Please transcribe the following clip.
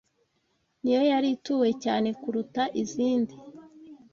niyo yari ituwe cyane kuruta izindi